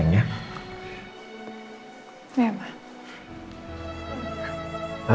ya makasih ya